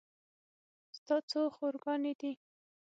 ستا څو خور ګانې دي